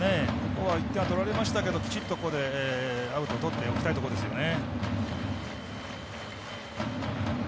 ここは１点は取られましたけどきちっとアウトとっておきたいところですね。